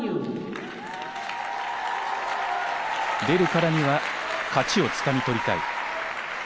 出るからには勝ちを掴み取りたい。